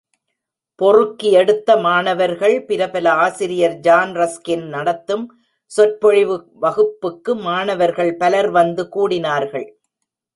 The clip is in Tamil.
பொறுக்கி எடுத்த மாணவர்கள் பிரபல ஆசிரியர் ஜான் ரஸ்கின் நடத்தும் சொற்பொழிவு வகுப்புக்கு மாணவர்கள் பலர் வந்து கூடினார்கள்.